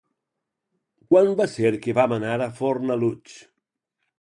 Quan va ser que vam anar a Fornalutx?